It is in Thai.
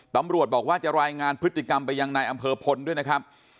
ตำรวจบอกว่าจะรายงานพฤติกรรมไปยังนายอำเภอพลด้วยนะครับ